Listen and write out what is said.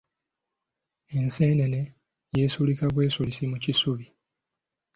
Enseenene yeesulika bwesulisi mu kisubi.